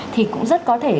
thì cũng rất có thể